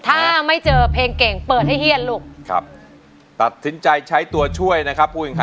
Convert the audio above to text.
ถ้าไม่เจอเพลงเก่งเปิดให้เฮียนลูก